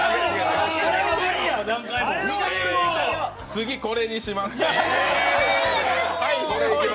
次、これにしますね。